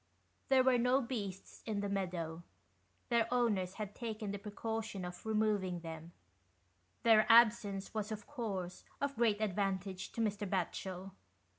There were no beasts in the meadow — ^their owners had taken the precaution of removing them ; their absence was, of course, of great advantage to Mr. Batchel.